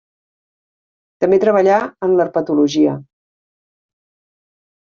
També treballà en l'herpetologia.